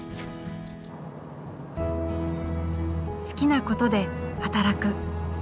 好きなことで働く。